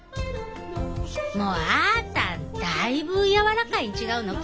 もうあんたはだいぶ柔らかいん違うの？